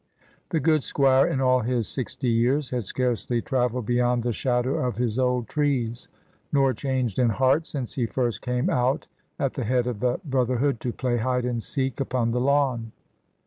The good squire in all his sixty years had scarcely travelled beyond the shadow of his old trees, nor changed in heart since he first came out at the head of the brother hood, to play hide and seek upon the lawn.